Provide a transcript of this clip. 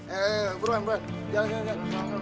he he buruan jalan jalan